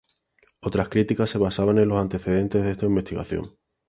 Otras críticas se basaban en los antecedentes de esta investigación.